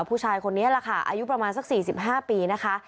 ผู้ชายคนนี้แหละค่ะอายุประมาณสัก๔๕ปีนะคะ